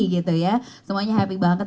gitu ya semuanya happy banget